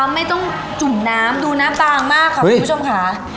ใช่ไม่ต้องจุ่มนำดูหน้าต่างมากขอบคุณผู้ชมขา